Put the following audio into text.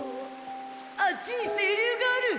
あっちに清流がある。